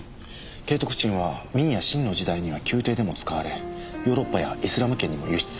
景徳鎮は明や清の時代には宮廷でも使われヨーロッパやイスラム圏にも輸出されました。